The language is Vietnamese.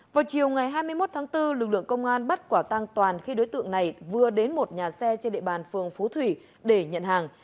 vào chiều ngày hai mươi một tháng bốn lực lượng công an bắt quả tăng toàn khi đối tượng này vừa đến một nhà xe trên địa bàn phường phú thủy để nhận hàng